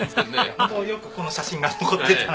本当よくこの写真が残ってたな。